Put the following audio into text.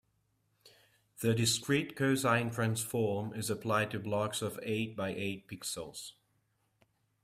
The discrete cosine transform is applied to blocks of eight by eight pixels.